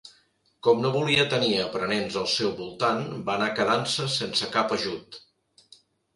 Com no volia tenir aprenents al seu voltant va anar quedant-se sense cap ajut.